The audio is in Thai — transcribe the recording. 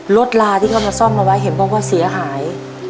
รถลาที่เส้นมาให้เห็นเบาะว่าเสียหาย